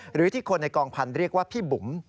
หรือที่คนในกองพันธุ์เรียกว่าพี่บุ๋ม